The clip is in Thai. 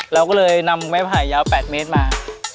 เราก็เลยนำไม้ไผ่ยาว๘เมตรมา